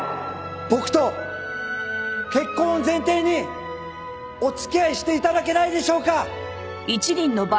僕と結婚を前提にお付き合いして頂けないでしょうか？